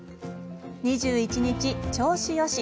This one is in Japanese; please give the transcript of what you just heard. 「２１日調子良し